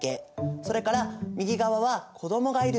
それから右側は子どもがいる場合。